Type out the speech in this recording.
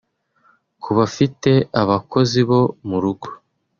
Ku bafite abakozi bo mu rugo